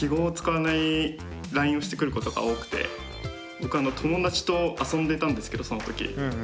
僕友達と遊んでたんですけどその時。